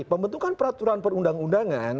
pembentukan peraturan perundang undangan